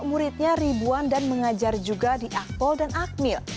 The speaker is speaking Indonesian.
alhamdulillah dia sudah terus berjaya mengajar dan mengajar juga di akpol dan akmil